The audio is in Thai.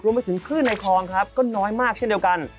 ไปถึงคลื่นในคลองครับก็น้อยมากเช่นเดียวกัน